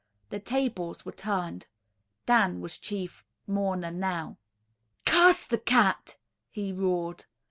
The tables were turned. Dan was chief mourner now. "Curse the cat!" he roared.